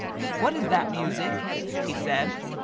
What is that music?" he said.